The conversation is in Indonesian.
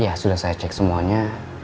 ya sudah saya cek semuanya